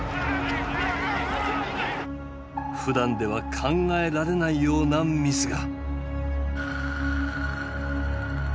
ふだんでは考えられないようなミスが。